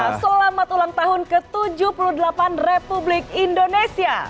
selamat ulang tahun ke tujuh puluh delapan republik indonesia